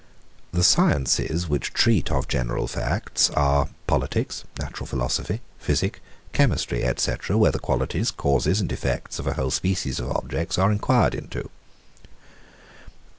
The sciences, which treat of general facts, are politics, natural philosophy, physic, chemistry, &c. where the qualities, causes and effects of a whole species of objects are enquired into.